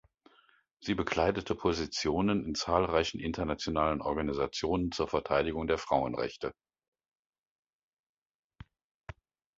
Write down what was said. Sie bekleidete Positionen in zahlreichen internationalen Organisationen zur Verteidigung der Frauenrechte.